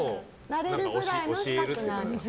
なれるくらいの資格なんです。